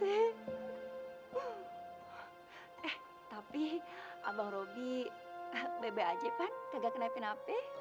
eh tapi abang robi bebe aja pan gak kena pin ape